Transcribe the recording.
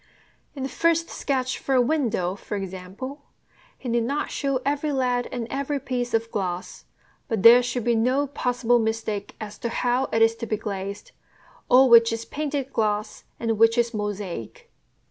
In the first sketch for a window, for example, he need not show every lead and every piece of glass; but there should be no possible mistake as to how it is to be glazed, or which is "painted" glass and which is "mosaic."